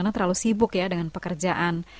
terlalu sibuk dengan pekerjaan